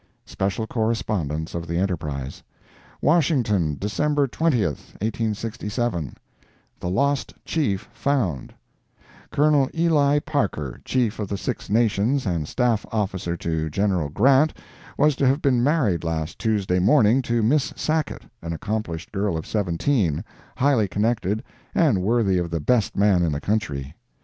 (SPECIAL CORRESPONDENCE OF THE ENTERPRISE.) WASHINGTON, December 20, 1867 THE LOST CHIEF FOUND Colonel Ely Parker, Chief of the Six Nations, and staff officer to General Grant, was to have been married last Tuesday morning to Miss Sacket, an accomplished girl of 17, highly connected, and worthy of the best man in the country.